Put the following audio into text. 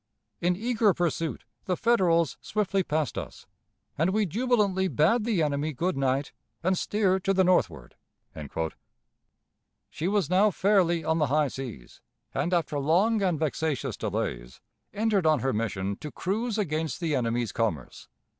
In eager pursuit the Federals swiftly passed us, and we jubilantly bade the enemy good night, and steered to the northward." She was now fairly on the high seas, and after long and vexatious delays entered on her mission to cruise against the enemy's commerce.